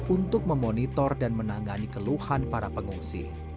untuk memonitor dan menangani keluhan para pengungsi